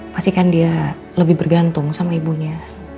pastikan dia lebih bergantung sama ibunya